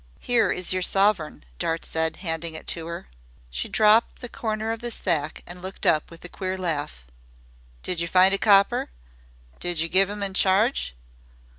"Here is your sovereign," Dart said, handing it to her. She dropped the corner of the sack and looked up with a queer laugh. "Did yer find a copper? Did yer give him in charge?"